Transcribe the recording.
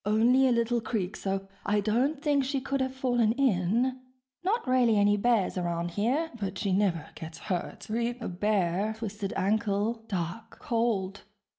(... only a little creek so I don't think she could have fallen in ... not really any bears around here ... but she never gets hurt ... creek ... bear ... twisted ankle ... dark ... cold....)